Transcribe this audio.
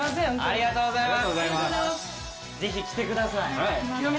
ありがとうございます。